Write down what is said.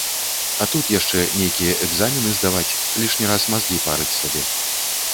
А тут яшчэ нейкія экзамены здаваць, лішні раз мазгі парыць сабе.